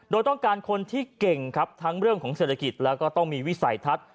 โดยต้องการคนที่เก่งครับทั้งเรื่องของเศรษฐกิจแล้วก็ต้องมีวิสัยทัศน์